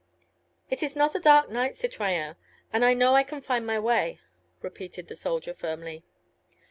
"It is not a dark night, citoyen, and I know I can find my way," repeated the soldier firmly.